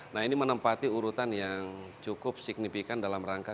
nah ini menempati urutan yang cukup signifikan dalam rangka